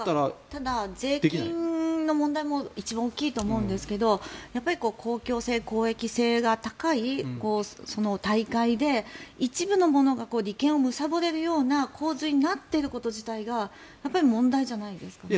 ただ、税金の問題も一番大きいと思うんですが公共性、公益性が高い大会で一部の者が利権をむさぼれるような構図になっていること自体が問題じゃないですかね。